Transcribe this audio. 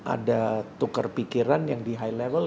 ada tukar pikiran yang di high level